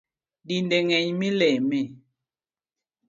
Dinde ngeny mileme